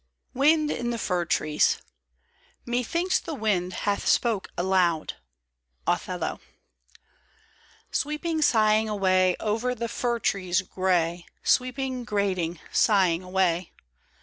WIND IN FIR TREES. " (Methinks the wind bath spoke aloud.'* OTHELLO. SWEEPING, sighing away Over the fir trees gray. Sweeping, grating, sighing away